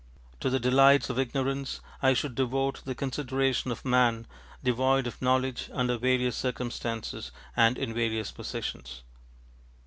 To the ŌĆ£Delights of Ignorance, ŌĆØ I should devote the consideration of man devoid of knowledge under various circumstances and in various positions.